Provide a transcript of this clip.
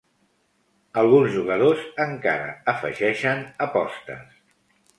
Alguns jugadors encara afegeixen apostes.